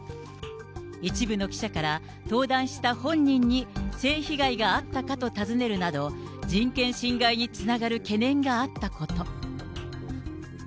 一部の記者から、登壇した本人に性被害があったかと尋ねるなど、人権侵害につながる懸念があったこと。